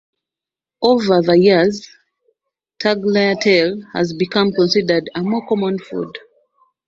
Over the years, tagliatelle has become considered a more common food.